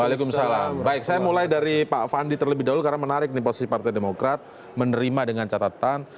waalaikumsalam baik saya mulai dari pak fandi terlebih dahulu karena menarik nih posisi partai demokrat menerima dengan catatan